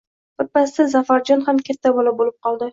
Bir pasda Zafarjon ham katta bola bo`p qoldi